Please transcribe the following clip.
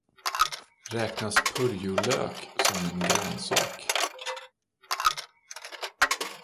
Räknas purjolök som en grönsak?